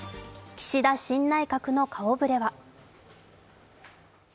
岸田新内閣の顔ぶれは。